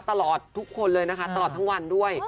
ตลอดทุกคนเลยนะคะตลอดทั้งวันด้วย